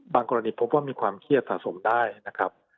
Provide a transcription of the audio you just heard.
กรณีพบว่ามีความเครียดสะสมได้นะครับ